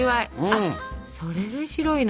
あっそれで白いの？